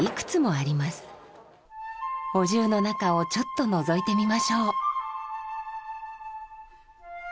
お重の中をちょっとのぞいてみましょう。